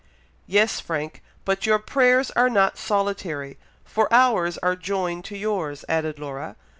"Yes, Frank! but your prayers are not solitary, for ours are joined to yours," added Laura.